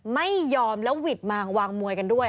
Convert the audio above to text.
ไม่ยอมแล้วหวิดมางวางมวยกันด้วย